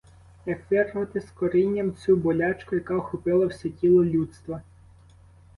Як вирвати з корінням цю болячку, яка охопила все тіло людства?